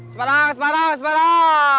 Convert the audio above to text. semarang semarang semarang